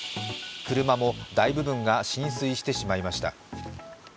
車も大部分が浸水してしまいました。